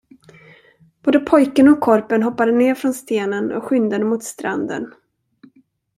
Både pojken och korpen hoppade ner från stenen och skyndade mot stranden.